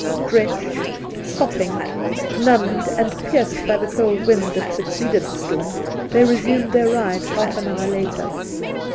Drenched, sopping, numbed and pierced by the cold wind that succeeded the storm, they resumed their ride half an hour later.